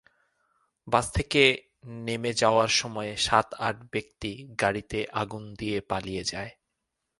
বাস থেকে নেমে যাওয়ার সময় সাত-আট ব্যক্তি গাড়িতে আগুন দিয়ে পালিয়ে যায়।